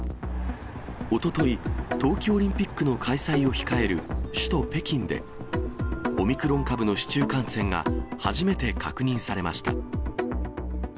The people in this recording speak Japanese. おととい、冬季オリンピックの開催を控える首都北京で、オミクロン株の市中感染が初めて確認されました。